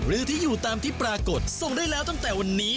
หรือที่อยู่ตามที่ปรากฏส่งได้แล้วตั้งแต่วันนี้